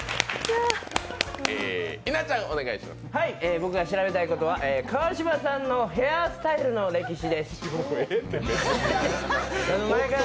僕が調べたいことは川島さんのヘアスタイルの歴史です。